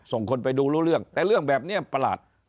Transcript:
ส่งคนไปดูรู้เรื่องแต่เรื่องแบบนี้ประหลาด